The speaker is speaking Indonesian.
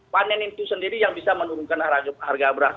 panen itu sendiri yang bisa menurunkan harga beras